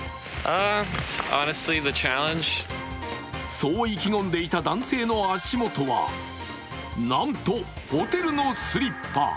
そう意気込んでいた男性の足元は、なんとホテルのスリッパ。